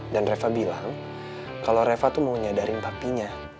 dan reva bilang kalau reva tuh mau nyadarin papinya